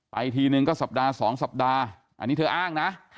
ทีนึงก็สัปดาห์๒สัปดาห์อันนี้เธออ้างนะ